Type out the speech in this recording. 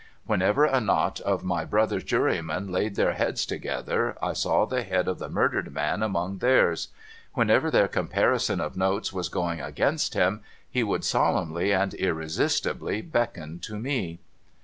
AVhenever a knot of my brother jurymen laid their heads together, I saw the head of the murdered man among theirs. Whenever their comparison of notes was going against him, he would solemnly and irresistibly beckon to me.